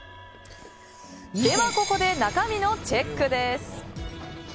ここで中身のチェックです。